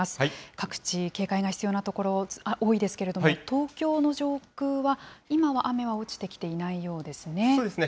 各地、警戒が必要な所、多いですけれども、東京の上空は、今は雨は落ちてきていないようですね。